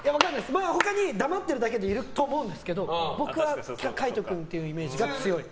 他に黙ってるだけでいると思うんですけど僕は海人君っていうイメージが強い。